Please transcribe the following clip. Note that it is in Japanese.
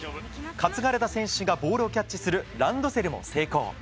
担がれた選手がボールをキャッチするランドセルも成功。